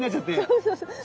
そうそうそう。